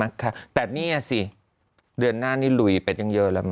อะไรวะ